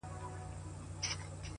په خيال كي ستا سره ياري كومه~